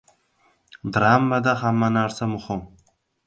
– Dramada hamma narsa muhim.